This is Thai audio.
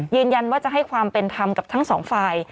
ยืนยันว่าจะให้ความเป็นธรรมกับทั้งสองฝ่าย